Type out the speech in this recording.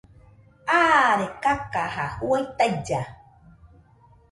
Aare kakaja juaɨ tailla